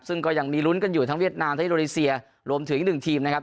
ซึ่งก็ยังมีลุ้นกันอยู่ทั้งเวียดนามทั้งอินโดนีเซียรวมถึงอีกหนึ่งทีมนะครับ